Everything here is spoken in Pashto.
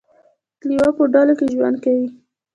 لیوه په ډلو کې ژوند کوي